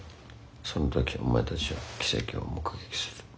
その時お前達は奇跡を目撃する」。